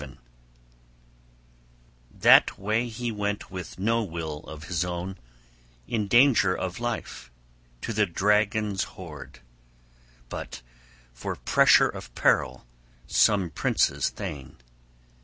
XXX THAT way he went with no will of his own, in danger of life, to the dragon's hoard, but for pressure of peril, some prince's thane.